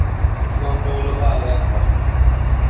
შუამდგომლობა არ დაკმაყოფილდა.